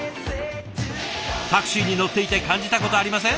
タクシーに乗っていて感じたことありません？